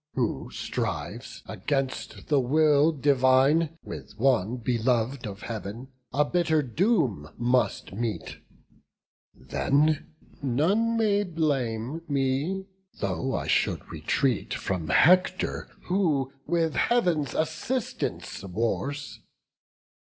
Who strives, against the will divine, with one Belov'd of Heav'n, a bitter doom must meet. Then none may blame me, though I should retreat From Hector, who with Heav'n's assistance wars.